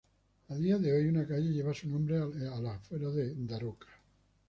A día de hoy una calle lleva su nombre a las afueras de Daroca.